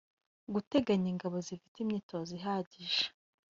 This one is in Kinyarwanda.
guteganya ingabo zifite imyitozo ihagije